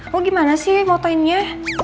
kok gimana sih motoinnya